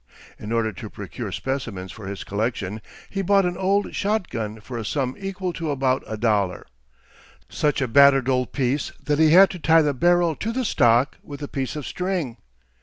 In order to procure specimens for his collection, he bought an old shot gun for a sum equal to about a dollar, such a battered old piece that he had to tie the barrel to the stock with a piece of string.